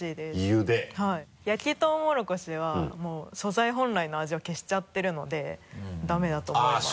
焼きとうもろこしはもう素材本来の味を消しちゃってるのでダメだと思います。